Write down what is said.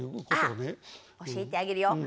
教えてあげるよ。